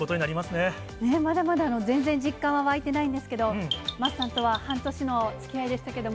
ねぇ、まだまだ全然、実感は湧いてないんですけど、桝さんとは半年のつきあいでしたけれども。